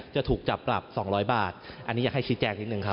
จะถูกจับปรับสองร้อยบาทอันนี้อยากให้คิดแจ้งนิดหนึ่งครับ